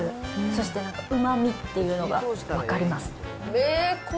そしてなんかうまみっていうのが分かります。